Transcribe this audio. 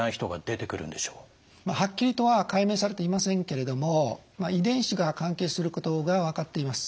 はっきりとは解明されていませんけれども遺伝子が関係することが分かっています。